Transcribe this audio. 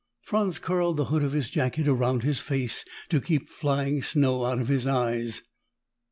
Franz curled the hood of his jacket around his face to keep flying snow out of his eyes.